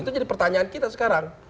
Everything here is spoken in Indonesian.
itu jadi pertanyaan kita sekarang